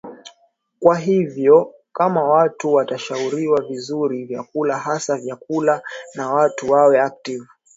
kwa hivyo kama watu watashauriwa vizuri vyakula hasa vyakula na watu wawe active